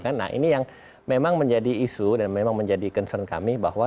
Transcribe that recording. nah ini yang memang menjadi isu dan memang menjadi concern kami bahwa